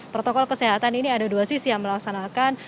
protokol kesehatan ini ada dua sisi yang melaksanakan